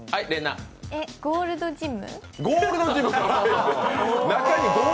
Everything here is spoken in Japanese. えっ、ゴールドジム？